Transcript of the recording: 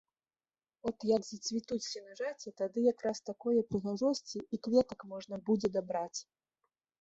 От як зацвітуць сенажаці, тады якраз такое прыгажосці і кветак можна будзе дабраць.